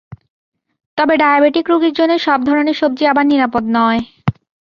তবে ডায়াবেটিক রোগীর জন্য সব ধরনের সবজি আবার নিরাপদ নয়।